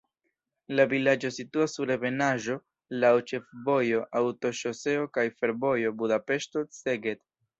La vilaĝo situas sur ebenaĵo, laŭ ĉefvojo, aŭtoŝoseo kaj fervojo Budapeŝto-Szeged.